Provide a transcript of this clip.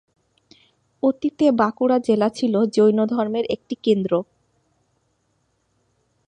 অতীতে বাঁকুড়া জেলা ছিল জৈনধর্মের একটি কেন্দ্র।